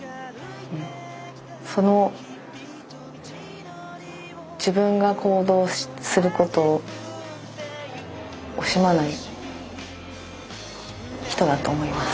その自分が行動することを惜しまない人だと思います。